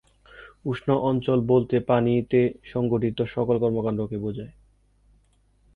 উষ্ণ অঞ্চল বলতে পানিতে সংঘটিত সকল কর্মকাণ্ডকে বোঝায়।